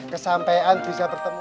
kesampaian bisa bertemu